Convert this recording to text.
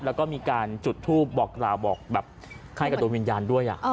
แล้วก็มีการจุดทูบบอกล่าวบอกแบบไข้กระโดนวิญญาณด้วยอ่ะ